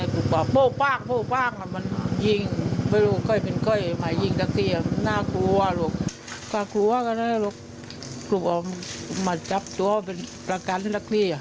ก็กลับมาจับตัวเป็นประกันกันแหละพี่